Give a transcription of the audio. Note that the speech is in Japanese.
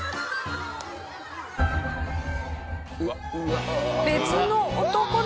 うわっ。